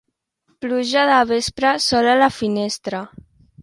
Pluja de vespre, sol a la finestra.